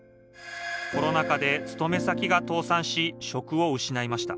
コロナ禍で勤め先が倒産し職を失いました